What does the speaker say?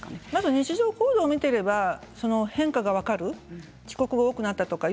日常行為を見ていたら変化が分かる遅刻が多くなった。